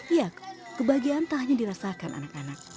ya kebahagiaan tak hanya dirasakan anak anak